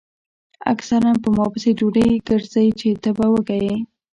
اکثر پۀ ما پسې ډوډۍ ګرځئ چې تۀ به وږے ئې ـ